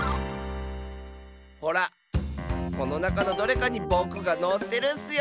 ほらこのなかのどれかにぼくがのってるッスよ。